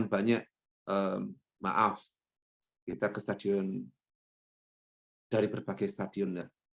banyak maaf kita ke stadion dari berbagai stadion